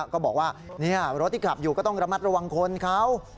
ก็บอกว่ารถที่ขับอยู่ก็ต้องระมัดระวังคนเขา